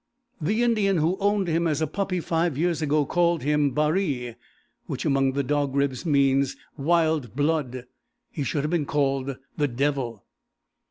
"The Indian who owned him as a puppy five years ago called him Baree, which among the Dog Ribs means Wild Blood. He should have been called The Devil."